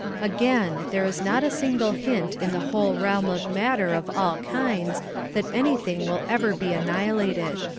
Again, there is not a single hint in the whole realm of matter of all kinds that anything will ever be an nihilated.